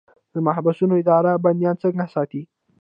د محبسونو اداره بندیان څنګه ساتي؟